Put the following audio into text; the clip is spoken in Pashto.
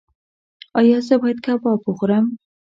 ایا زه باید کباب وخورم؟